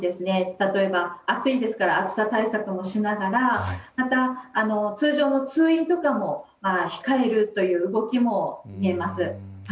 例えば、暑いですから暑さ対策もしながらまた、通常の通院とかも控えるという動きも見えます。